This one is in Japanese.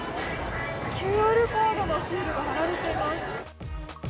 ＱＲコードのシールが貼られています。